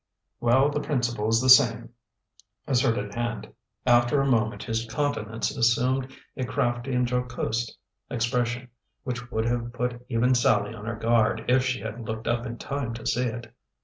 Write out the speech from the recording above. "Well, the principle's the same," asserted Hand. After a moment his countenance assumed a crafty and jocose expression, which would have put even Sallie on her guard if she had looked up in time to see it.